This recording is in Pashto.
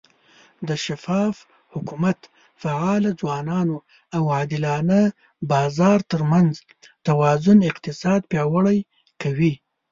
د شفاف حکومت، فعاله ځوانانو، او عادلانه بازار ترمنځ توازن اقتصاد پیاوړی کوي.